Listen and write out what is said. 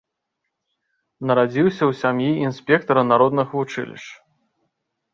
Нарадзіўся ў сям'і інспектара народных вучылішч.